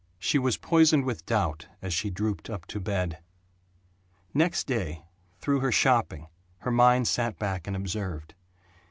She was poisoned with doubt, as she drooped up to bed. Next day, through her shopping, her mind sat back and observed.